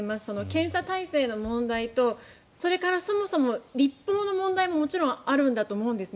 検査体制の問題とそれから、そもそも立法の問題ももちろんあるんだと思うんです。